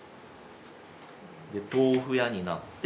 で豆腐屋になって。